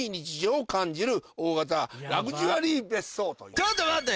ちょっと待って！